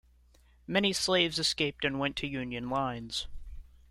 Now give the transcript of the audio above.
Many slaves escaped and went to Union lines.